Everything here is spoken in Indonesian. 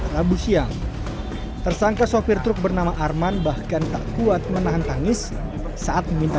rabu siang tersangka sopir truk bernama arman bahkan tak kuat menahan tangis saat meminta